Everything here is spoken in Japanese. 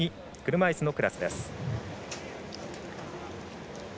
車いすのクラスです。